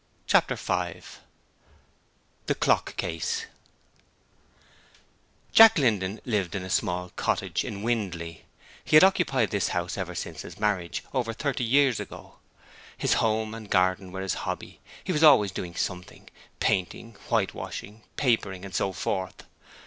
Chapter 5 The Clock case Jack Linden lived in a small cottage in Windley. He had occupied this house ever since his marriage, over thirty years ago. His home and garden were his hobby: he was always doing something; painting, whitewashing, papering and so forth.